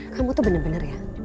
kamu tuh bener bener ya